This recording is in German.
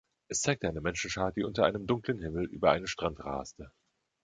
Es zeigte eine Menschenschar, die unter einem dunklen Himmel über einen Strand raste.